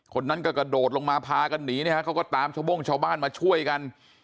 คนนั้นก็กระโดดลงมาพากันหนีนะฮะเขาก็ตามชาวบ้านมาช่วยกัน